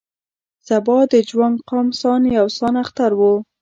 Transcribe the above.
سبا د جوانګ قوم سان یو سان اختر و.